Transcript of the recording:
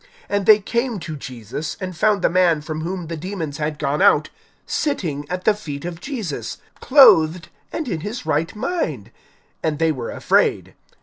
And they came to Jesus, and found the man from whom the demons had gone out, sitting at the feet of Jesus, clothed and in his right mind; and they were afraid.